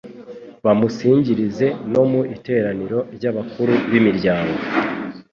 bamusingirize no mu iteraniro ry’abakuru b’imiryango